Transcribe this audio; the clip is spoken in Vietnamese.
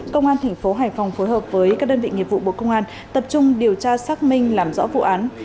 công an thành phố hải phòng phối hợp với các đơn vị nghiệp vụ bộ công an tập trung điều tra xác minh làm rõ vụ án